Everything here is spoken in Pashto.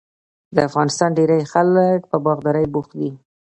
د افغانستان ډیری خلک په باغدارۍ بوخت دي.